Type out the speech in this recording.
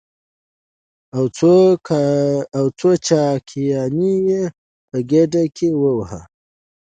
او څو چاقيانې يې په ګېډه کې ووهو.